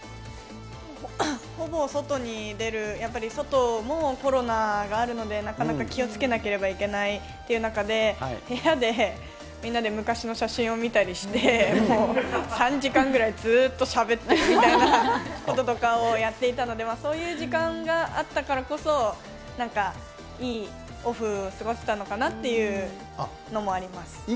ほぼ外に出る、外もコロナがあるのでなかなか気をつけなきゃいけないという中で、部屋で、みんなで昔の写真を見たりして、３時間ぐらいずっとしゃべってたみたいなこととかをやっていたので、そういう時間があったからこそ、いいオフ過ごせたのかなっていうのもあります。